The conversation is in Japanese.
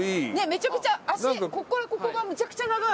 めちゃくちゃ足ここからここがめちゃくちゃ長い！